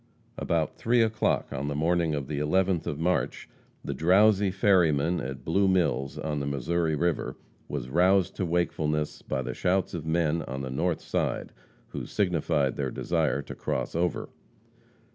About three o'clock on the morning of the 11th of March, the drowsy ferryman at Blue Mills, on the Missouri river, was roused to wakefulness by the shouts of men on the north side, who signified their desire to cross over.